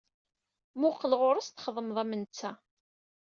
Muqel ɣur-s txedmeḍ am netta.